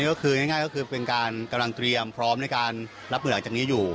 ก็คือง่ายก็คือเป็นการกำลังเตรียมพร้อมในการรับมือหลังจากนี้อยู่